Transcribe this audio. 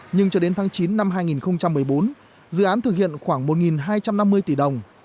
nhưng cho đến tháng chín năm hai nghìn một mươi bốn dự án thực hiện khoảng một hai trăm năm mươi tỷ đồng